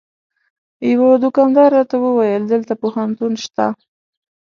یوه دوکاندار راته وویل دلته پوهنتون شته.